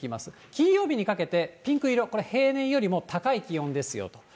金曜日にかけて、ピンク色、これ平年よりも高い気温ですよと。